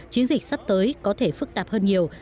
chiến dịch sắp tới có thể phức tạp hơn nhiều